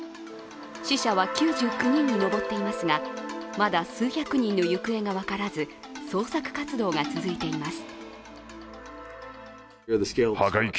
死者は９９人に上っていますがまだ数百人の行方が分からず捜索活動が続いています。